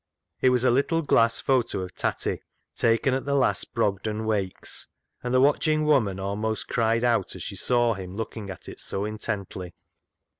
It was a little glass photo of Tatty, taken at the last Brogden wakes, and the watching woman almost cried out as she saw him looking at it so intently.